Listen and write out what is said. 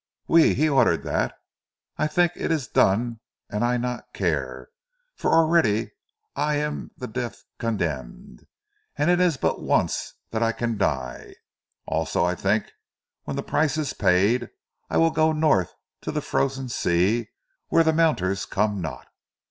"Oui! He order dat! An' I tink eet ees done, an' I not care, for already I am to zee death condemned, an' it ees but once dat I can die. Also I tink when zee price ees paid, I veel go North to zee Frozen Sea where zee mounters come not.